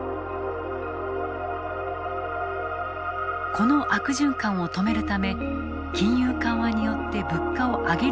この悪循環を止めるため金融緩和によって物価を上げるようにする。